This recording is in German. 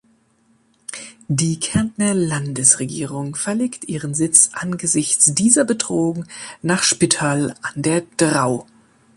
Die Kärntner Landesregierung verlegte ihren Sitz angesichts dieser Bedrohung nach Spittal an der Drau.